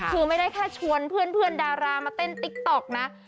คือไม่ได้แค่ชวนเพื่อนดารามาเต้นติ๊กต๊อกนะ